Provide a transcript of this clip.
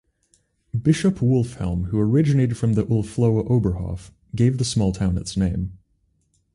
Bishop Wolfhelm, who originated from the Ulfloa Oberhof, gave the small town its name.